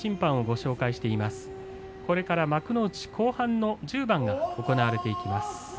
これから幕内後半の１０番が行われていきます。